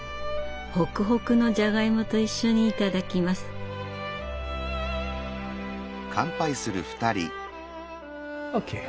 ホクホクのじゃがいもと一緒に頂きます。ＯＫ。